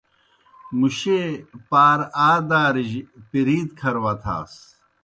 مُشیئے پار آ دارِجیْ پیرِید کھر وتھاس۔